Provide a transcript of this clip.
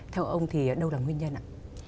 theo ông thì đâu là nguyên nhân ạ